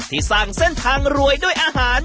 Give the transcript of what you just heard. ที่สร้างเส้นทางเงินด้วยอาหาร